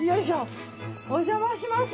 お邪魔します。